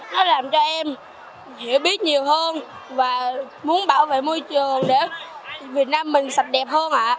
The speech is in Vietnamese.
nó làm cho em hiểu biết nhiều hơn và muốn bảo vệ môi trường để việt nam mình sạch đẹp hơn ạ